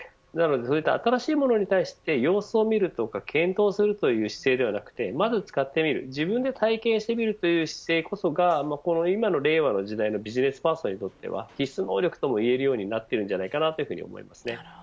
新しいものに対して様子を見るとか検討するという姿勢ではなくてまず使ってみる自分で体験してみるという姿勢こそが今の令和の時代のビジネスパーソンにとっては必須能力ともいえると思います。